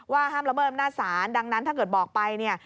ว่าห้ำระเบิดเมื่อหน้าศาลดังนั้นถ้าเกิดบอกไป